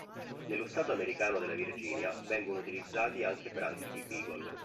Nello stato americano della Virginia vengono utilizzati anche branchi di Beagle.